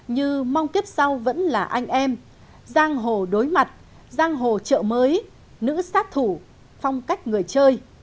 như mong tiếp sau vẫn là anh em giang hồ đối mặt giang hồ chợ mới nữ sát thủ phong cách người chơi